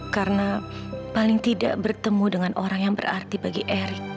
karena paling tidak bertemu dengan orang yang berarti bagi erik